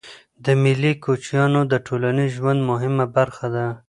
مېلې د کوچنيانو د ټولنیز ژوند مهمه برخه ده.